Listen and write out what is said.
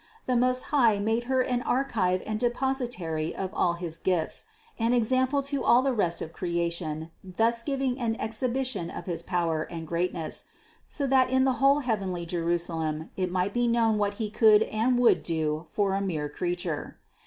The Most High made Her an archive and depositary of all his gifts, an example to all the rest of creation thus giving an exhibition of his power and greatness, so that in the whole heavenly Jerusalem it might be known what He could and would do for a mere creature.